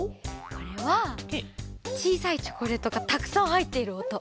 これはちいさいチョコレートがたくさんはいっているおと。